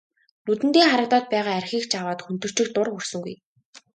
Нүдэндээ харагдаад байгаа архийг ч аваад хөнтөрчих дур хүрсэнгүй.